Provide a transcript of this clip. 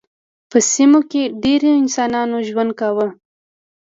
په سیمو کې ډېر انسانان ژوند کاوه.